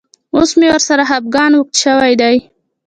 اوس مې ورسره خپګان اوږد شوی دی.